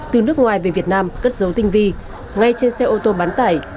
từ nước ngoài về việt nam cất dấu tinh vi ngay trên xe ô tô bán tải